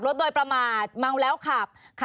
มีความรู้สึกว่ามีความรู้สึกว่า